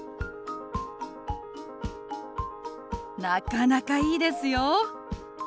なかなかいいですよ。